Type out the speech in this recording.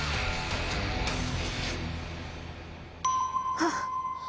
あっ！